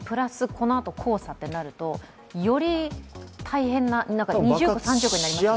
このあと黄砂となるとより大変な、二重苦、三重苦になりますよね。